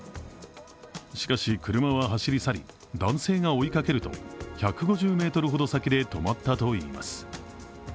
しかし、車は走り去り、男性が追いかけると１５０ｍほど先で止まったといいます。